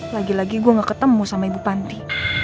lagi lagi gue gak ketemu sama ibu panti